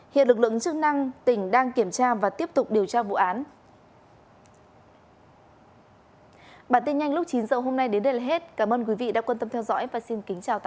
hiện lực lượng chức năng tỉnh đang kiểm tra và tiếp tục điều tra vụ án